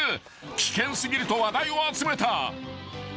［危険過ぎると話題を集めた］